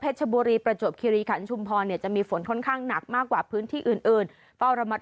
ชบุรีประจวบคิริขันชุมพรเนี่ยจะมีฝนค่อนข้างหนักมากกว่าพื้นที่อื่นอื่นเฝ้าระมัดระวัง